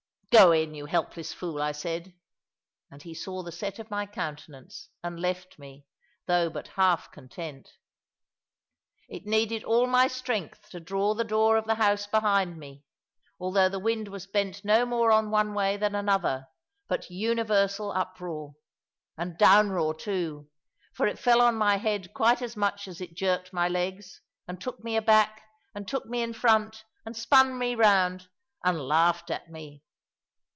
"Go in, you helpless fool," I said; and he saw the set of my countenance, and left me, though but half content. It needed all my strength to draw the door of the house behind me, although the wind was bent no more on one way than another, but universal uproar. And down roar too; for it fell on my head quite as much as it jerked my legs, and took me aback, and took me in front, and spun me round, and laughed at me.